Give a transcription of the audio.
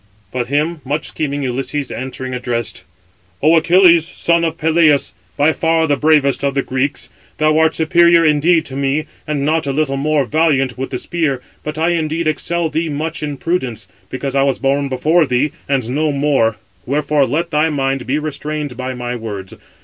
But him much scheming Ulysses answering, addressed: "O Achilles, son of Peleus, by far the bravest of the Greeks, thou art superior indeed to me, and not a little more valiant with the spear, but I indeed excel thee much in prudence; because I was born before thee, and know more: wherefore let thy mind be restrained by my words.